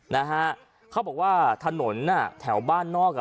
นะฮะเขาบอกว่าถนนน่ะแถวบ้านนอกอ่ะ